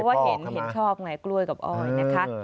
ว่าเห็นชอบไงกล้วยกับอ้อยนะคะ